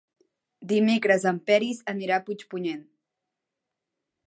Dimecres en Peris anirà a Puigpunyent.